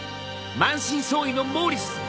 満身創痍のモーリス。